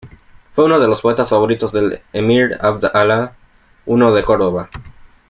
Fue uno de los poetas favoritos del emir Abd Allah I de Córdoba.